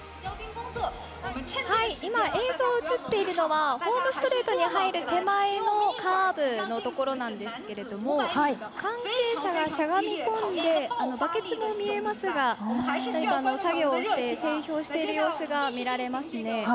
映像が映っているのはホームストレートに入る手前のカーブのところなんですが関係者が、しゃがみこんでバケツも見えますが作業をして整氷している様子が見られますね。